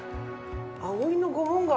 葵の御紋が。